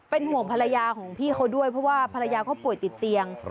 เป็นห่วงภรรยาของพี่เขาด้วยเพราะว่าภรรยาเขาป่วยติดเตียง